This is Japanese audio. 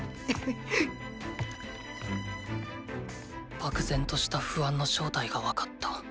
漠然とした不安の正体がわかった。